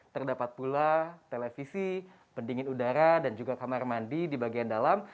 terdapat pula televisi pendingin udara dan juga kamar mandi di bagian dalam